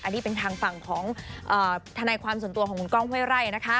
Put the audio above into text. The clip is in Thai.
อันนี้เป็นทางฝั่งของทนายความส่วนตัวของคุณก้องห้วยไร่นะคะ